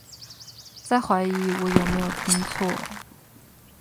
在懷疑我有沒有聽錯